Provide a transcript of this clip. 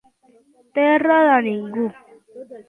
Terra de ningú.